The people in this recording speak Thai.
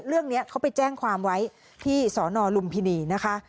เรื่องนี้เขาไปแจ้งความไว้ที่สนลุมพินีนะคะ